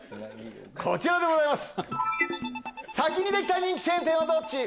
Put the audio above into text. こちらでございます。